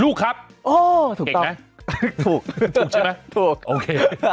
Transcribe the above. ลูกครับเก่งไหมถูกถูกใช่ไหมถูก